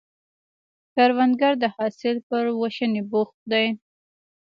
کروندګر د حاصل پر ویشنې بوخت دی